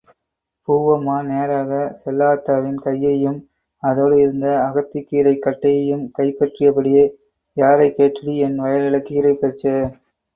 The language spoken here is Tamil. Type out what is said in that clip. பூவம்மா, நேராக செல்லாத்தாவின் கையையும் அதோடு இருந்த அகத்திக்கீரைக் கட்டையும் கைப்பற்றியபடியே, யாரைக்கேட்டுடி என் வயலுல கீரை பறிச்சே?